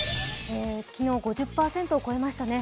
昨日、５０％を超えましたね。